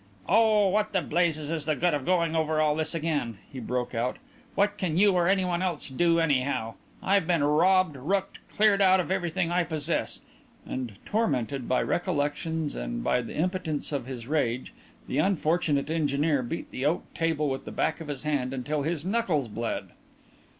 "Oh, what the blazes is the good of going over all this again!" he broke out. "What can you or anyone else do anyhow? I've been robbed, rooked, cleared out of everything I possess," and tormented by recollections and by the impotence of his rage the unfortunate engineer beat the oak table with the back of his hand until his knuckles bled.